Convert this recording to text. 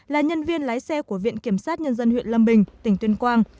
là nhân viên lái xe của viện kiểm sát nhân dân huyện lâm bình tỉnh tuyên quang